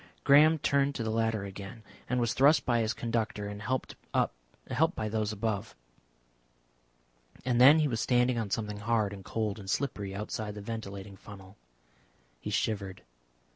Graham turned to the ladder again, and was thrust by his conductor and helped up by those above, and then he was standing on something hard and cold and slippery outside the ventilating funnel. He shivered.